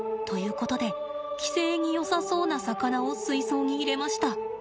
ことで寄生によさそうな魚を水槽に入れました。